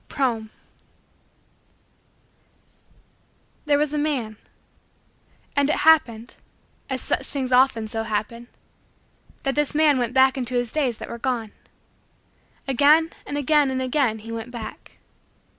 _ PROEM There was a man. And it happened as such things often so happen that this man went back into his days that were gone. Again and again and again he went back.